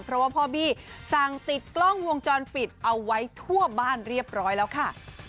เพราะว่าพ่อบี้สั่งติดกล้องวงจรปิดเอาไว้ทั่วบ้านเรียบร้อยแล้วค่ะ